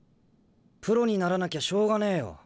プロにならなきゃしょうがねえよ。